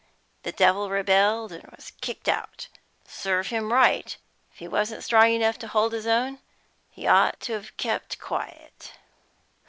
The devil rebelled and was kicked out. Serve him right. If he wasn't strong enough to hold his own, he'd ought to have kept quiet."